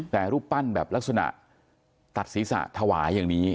แต่รูปปั้นแบบลักษณะตัดศีรษะถวายอย่างนี้